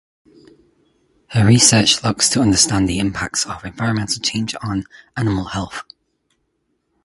Her research looks to understand the impacts of environmental change on animal health.